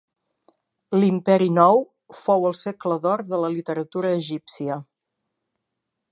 L'Imperi Nou fou el segle d'or de la literatura egípcia.